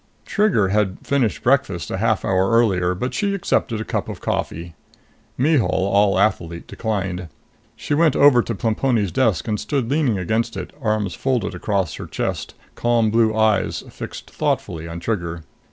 Trigger had finished breakfast a half hour earlier, but she accepted a cup of coffee. Mihul, all athlete, declined. She went over to Plemponi's desk and stood leaning against it, arms folded across her chest, calm blue eyes fixed thoughtfully on Trigger.